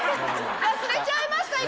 忘れちゃいました